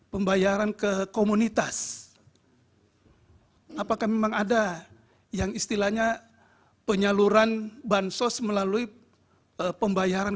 pembayaran ke komunitas apakah memang ada yang istilahnya penyaluran bansos melalui pembayaran